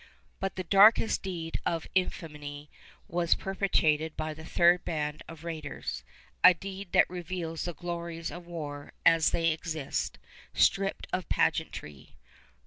But the darkest deed of infamy was perpetrated by the third band of raiders, a deed that reveals the glories of war as they exist, stripped of pageantry.